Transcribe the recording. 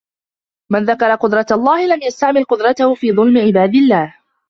مَنْ ذَكَرَ قُدْرَةَ اللَّهِ لَمْ يَسْتَعْمِلْ قُدْرَتَهُ فِي ظُلْمِ عِبَادِ اللَّهِ